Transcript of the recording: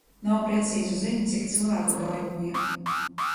Nav precīzu ziņu, cik cilvēku gāja bojā.